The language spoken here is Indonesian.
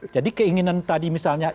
jadi keinginan tadi misalnya